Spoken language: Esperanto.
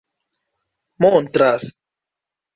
montras